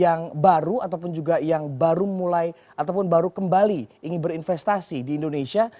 yang baru ataupun juga yang baru mulai ataupun baru kembali ingin berinvestasi di indonesia